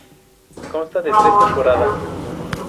Consta de tres temporadas.